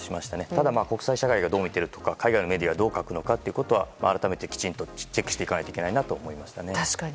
ただ国際社会がどう見ているか海外のメディアがどう書くのかは改めてきちんとチェックしていかないといけないなと思いましたね。